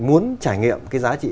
muốn trải nghiệm giá trị